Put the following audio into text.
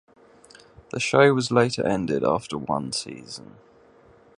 The show was later ended after one season.